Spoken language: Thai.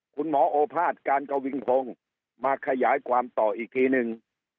โอภาษการกวิงพงศ์มาขยายความต่ออีกทีนึง